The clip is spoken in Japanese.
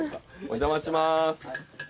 お邪魔しまーす。